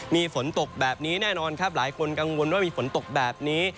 มีฝนตกแบบนี้แน่นอนครับหลายคนกังวลว่ามีฝนตกแบบนี้